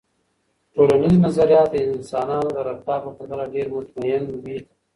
ټولنیز نظریات د انسانانو د رفتار په پرتله ډیر مطمئن وي.